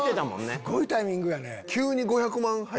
すごいタイミングやね。